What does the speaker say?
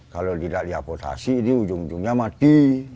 kalau tidak diapotasi ini ujung ujungnya mati